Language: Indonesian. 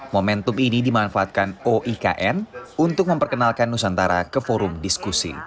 momentum ini dimanfaatkan oikn untuk memperkenalkan nusantara ke forum diskusi